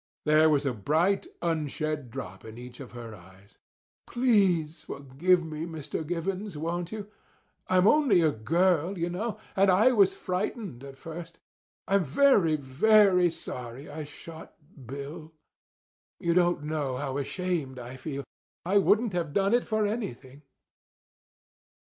There was a bright, unshed drop in each of her eyes. "Please forgive me, Mr. Givens, won't you? I'm only a girl, you know, and I was frightened at first. I'm very, very sorry I shot Bill. You don't know how ashamed I feel. I wouldn't have done it for anything."